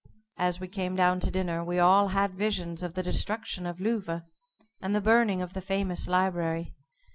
As we came down to dinner we all had visions of the destruction of Louvain, and the burning of the famous library.